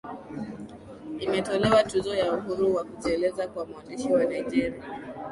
imetolewa Tuzo ya Uhuru wa Kujieleza kwa mwandishi wa Nigeria